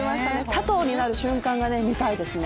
佐藤になる瞬間が見たいですね。